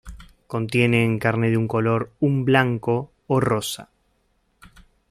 Contienen carne de un color un blanco o rosa.